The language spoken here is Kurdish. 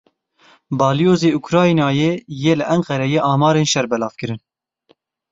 Balyozê Ukraynayê yê li Enqereyê amarên şer belav kirin.